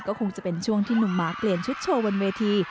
ก็คงจะเป็นช่วงที่หนุ่มหมาเปลี่ยนชุดโชว์บนเวที